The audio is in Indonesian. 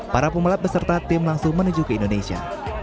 para pembalap beserta tim langsung menuju ke indonesia